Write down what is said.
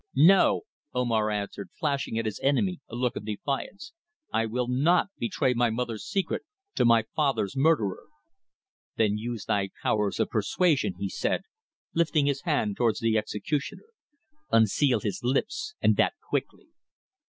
"No," Omar answered, flashing at his enemy a look of defiance. "I will not betray my mother's secret to my father's murderer." "Then use thy powers of persuasion," he said, lifting his hand towards the executioner. "Unseal his lips, and that quickly."